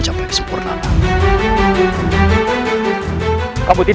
jangan salahkan aku